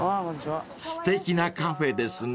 ［すてきなカフェですね］